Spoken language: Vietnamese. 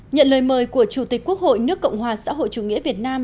nhận lời mời của chủ tịch quốc hội nước cộng hòa xã hội chủ nghĩa việt nam